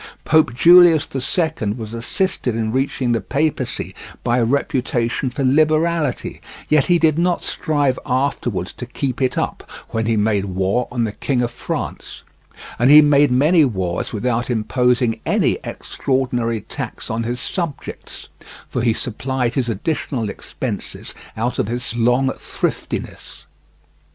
Pope Julius the Second was assisted in reaching the papacy by a reputation for liberality, yet he did not strive afterwards to keep it up, when he made war on the King of France; and he made many wars without imposing any extraordinary tax on his subjects, for he supplied his additional expenses out of his long thriftiness.